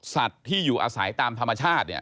สัตว์ที่อยู่อาศัยตามธรรมชาติเนี่ย